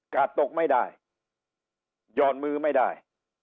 กาดตกไม่ได้หย่อนมือไม่ได้